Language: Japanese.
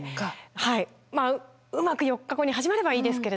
まあうまく４日後に始まればいいですけれども。